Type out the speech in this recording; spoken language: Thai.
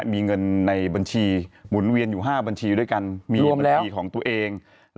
มีเงินในบัญชีหมุนเวียนอยู่ห้ามบัญชีด้วยกัน